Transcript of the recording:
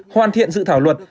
hoàn thiện dự thảo luật